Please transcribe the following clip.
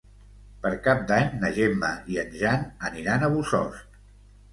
Per Cap d'Any na Gemma i en Jan aniran a Bossòst.